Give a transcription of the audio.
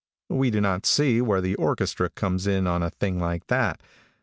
We do not see where the orchestra comes in on a thing like that.